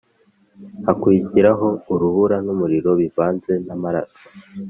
Hakurikiraho urubura n’umuriro bivanze n’amaraso,